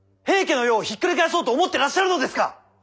平家の世をひっくり返そうと思ってらっしゃるのですか！？